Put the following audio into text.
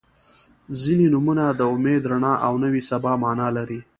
• ځینې نومونه د امید، رڼا او نوې سبا معنا لري.